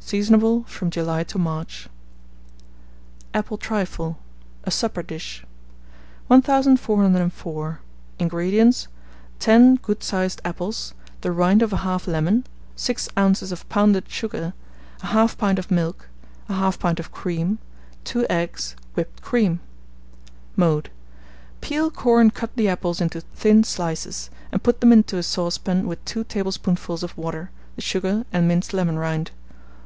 Seasonable from July to March. APPLE TRIFLE. (A Supper Dish.) 1404. INGREDIENTS. 10 good sized apples, the rind of 1/2 lemon, 6 oz. of pounded sugar, 1/2 pint of milk, 1/2 pint of cream, 2 eggs, whipped cream. Mode. Peel, core, and cut the apples into thin slices, and put them into a saucepan with 2 tablespoonfuls of water, the sugar, and minced lemon rind.